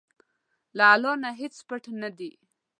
له الله نه هیڅ پټ نه دي.